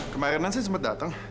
kemarin saya sempat datang